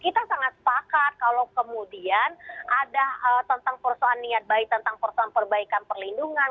kita sangat sepakat kalau kemudian ada tentang persoalan niat baik tentang persoalan perbaikan perlindungan